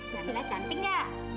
kamilah cantik ya